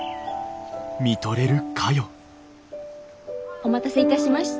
お待たせいたしました。